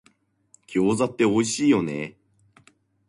餃子っておいしいよね